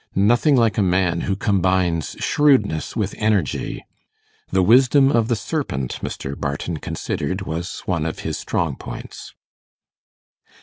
Nothing like a man who combines shrewdness with energy. The wisdom of the serpent, Mr. Barton considered, was one of his strong points.